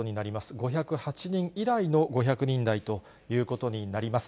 ５０８人以来の５００人台ということになります。